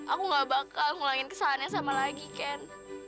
aku gak bakal ngulangin kesannya sama lagi ken